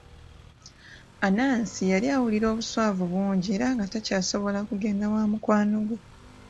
Anansi yali awulira obuswavu bungi era nga takyasobola kugenda wa mukwano gwe.